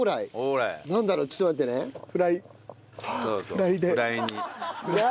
「フライ」で。